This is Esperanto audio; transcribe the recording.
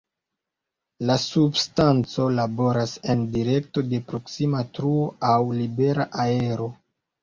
La substanco laboras en direkto de proksima truo aŭ "libera aero".